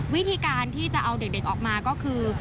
วิธีการที่จะเอาเด็กออกมาก็คือ